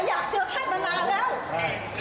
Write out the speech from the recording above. แต่ว่าขอความแม่แต่อยากเจอแท่มานานาแล้ว